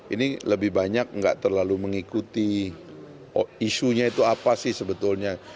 ini lebih banyak nggak terlalu mengikuti isunya itu apa sih sebetulnya